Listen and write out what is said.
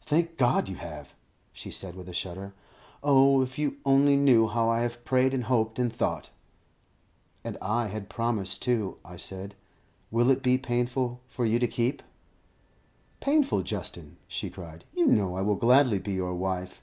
"Thank God, you have!" she said, with a shudder. "Oh, if you only knew how I have prayed and hoped and thought!" "And I had a promise, too," I said; "will it be painful for you to keep it?" "Painful, Justin?" she cried. "You know I will gladly be your wife."